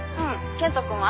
健人君は？